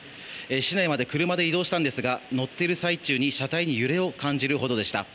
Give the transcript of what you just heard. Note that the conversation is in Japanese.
市内まで車で移動したんですが乗っている最中に車体に揺れを感じるほどでした。